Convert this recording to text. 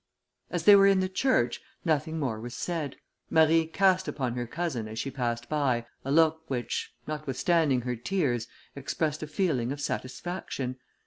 As they were in the church, nothing more was said. Marie cast upon her cousin, as she passed by, a look which, notwithstanding her tears, expressed a feeling of satisfaction.